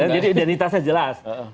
jadi identitasnya jelas